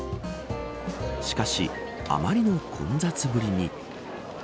しかしあまりの混雑ぶりに。